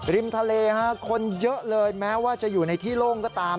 ริมทะเลคนเยอะเลยแม้ว่าจะอยู่ในที่โล่งก็ตาม